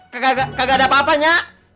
kagak ada apa apanya